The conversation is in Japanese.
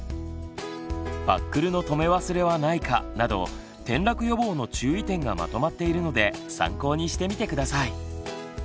「バックルの留め忘れはないか」など転落予防の注意点がまとまっているので参考にしてみて下さい。